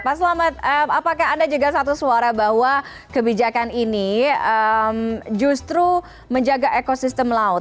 pak selamat apakah anda juga satu suara bahwa kebijakan ini justru menjaga ekosistem laut